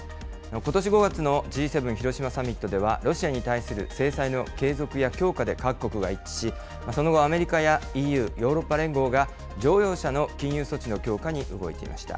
ことし５月のＧ７広島サミットでは、ロシアに対する制裁の継続や強化で各国が一致し、その後、アメリカやＥＵ・ヨーロッパ連合が、乗用車の禁輸措置の強化に動いていました。